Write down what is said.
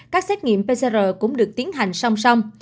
các xét nghiệm pcr cũng được tiến hành song song